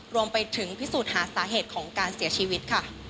รวมไปถึงพิสูจน์หาสาเหตุของการเสียชีวิตค่ะ